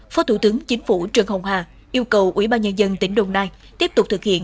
phó thủ tướng chính phủ trần hồng hà yêu cầu ủy ban nhân dân tỉnh đồng nai tiếp tục thực hiện